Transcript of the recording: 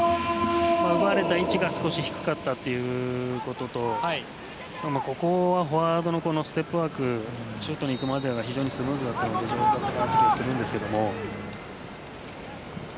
奪われた位置が低かったこととここはフォワードのステップワークシュートに行くまでが非常にスムーズだったので上手だった気がするんですが。